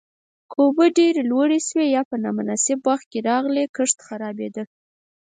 که اوبه ډېره لوړې شوې یا په نامناسب وخت کې راغلې، کښت خرابېده.